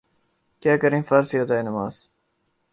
کیا کریں فرض ہے ادائے نماز